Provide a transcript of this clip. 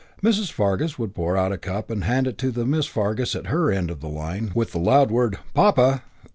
Mrs. Fargus would pour out a cup and hand it to the Miss Fargus at her end of the line with the loud word "Papa!"